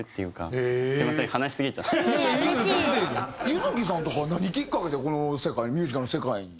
唯月さんとかは何きっかけでこの世界ミュージカルの世界に？